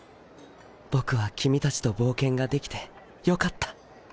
僕は君たちと冒険ができてよかった。